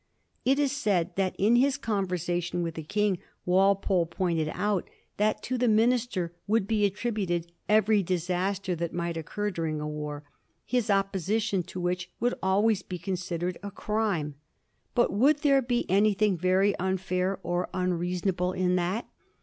It is said that, in his conversation with the Eang, Walpole pointed out that to the minister would be attributed every disaster that might occur during a war, his opposition to which would always be considered a crime. But would there be anything very unfair or unreasonable in that?